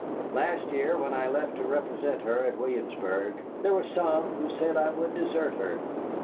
Last year when I left to represent her at Williamsburg there were some who said I would desert her.